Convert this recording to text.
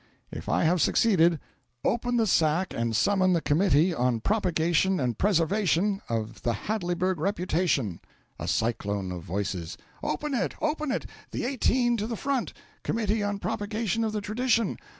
If I have succeeded, open the sack and summon the Committee on Propagation and Preservation of the Hadleyburg Reputation.'" A Cyclone of Voices. "Open it! Open it! The Eighteen to the front! Committee on Propagation of the Tradition!